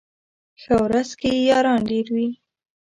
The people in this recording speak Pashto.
ښه ورځ کي ياران ډېر وي